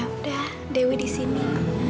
ya udah dewi disini